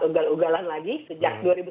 ugal ugalan lagi sejak dua ribu sembilan belas